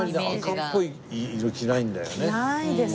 着ないです